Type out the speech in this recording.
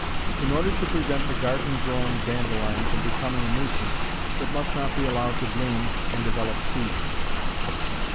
In order to prevent the garden grown dandelion from becoming a nuisance it must not be allowed to bloom and develop seed.